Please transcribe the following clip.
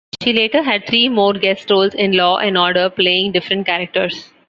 She later had three more guest roles in "Law and Order", playing different characters.